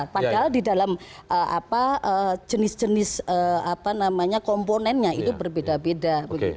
padahal di dalam jenis jenis komponennya itu berbeda beda